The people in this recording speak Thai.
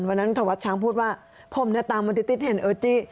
วันนั้นธวัดช้างพูดว่าผมเนี่ยตามมาติ๊ดเห็นเออจี้